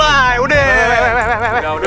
udah udah udah